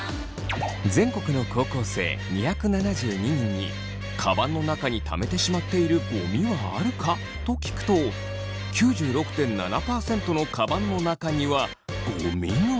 全国の高校生２７２人に「カバンの中にためてしまっている『ゴミ』はあるか？」と聞くと９６．７％のカバンの中にはゴミが。